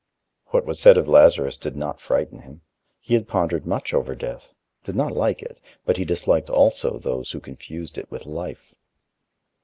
What was said of Lazarus did not frighten him: he had pondered much over Death, did not like it, but he disliked also those who confused it with life.